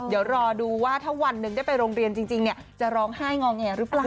เดี๋ยวรอดูว่าถ้าวันหนึ่งได้ไปโรงเรียนจริงจะร้องไห้งอแงหรือเปล่า